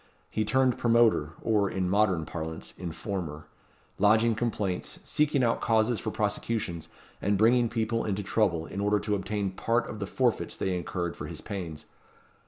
He turned promoter, or, in modern parlance, informer; lodging complaints, seeking out causes for prosecutions, and bringing people into trouble in order to obtain part of the forfeits they incurred for his pains.